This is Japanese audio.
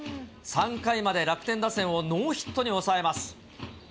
３回まで楽天打線をノーヒットに抑えます。